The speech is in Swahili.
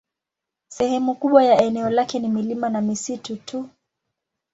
Sehemu kubwa ya eneo lake ni milima na misitu tu.